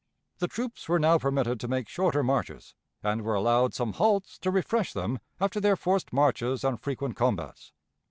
The troops were now permitted to make shorter marches, and were allowed some halts to refresh them after their forced marches and frequent combats.